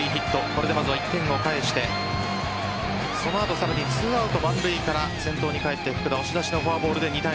これでまずは１点を返してその後、さらに２アウト満塁から先頭に返って福田押し出しのフォアボールで２対２。